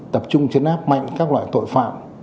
tập trung chấn áp mạnh các loại tội phạm